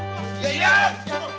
buka gak buka gak